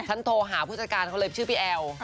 โทรหาผู้จัดการเขาเลยชื่อพี่แอล